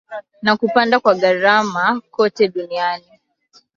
na kupanda kwa gharama kote duniani